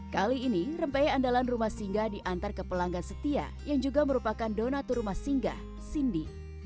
kali ini rempey andalan rumah singgah diantar ke pelanggan setia yang juga merupakan donatur rumah singgah cindy